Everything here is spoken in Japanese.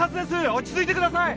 落ち着いてください！